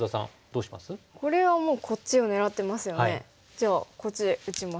じゃあこっち打ちます。